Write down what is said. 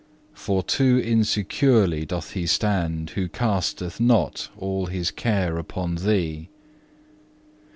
For too insecurely doth he stand who casteth not all his care upon Thee.